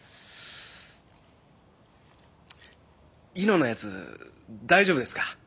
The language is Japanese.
猪之のやつ大丈夫ですか？